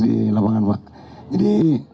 di lapangan pak jadi